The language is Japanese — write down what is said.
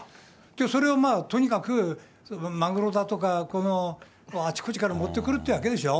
それをとにかく、マグロだとか、あちこちから持ってくるってわけでしょ。